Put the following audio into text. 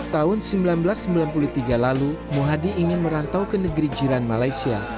tahun seribu sembilan ratus sembilan puluh tiga lalu muhadi ingin merantau ke negeri jiran malaysia